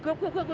chứ không biết